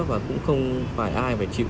và cũng không phải ai phải chịu